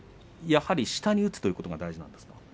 やはり下に打つということが大事なんですか。